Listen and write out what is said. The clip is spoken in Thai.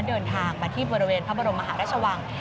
เดินทางมาที่บริเวณพระบรมมหาราชวัง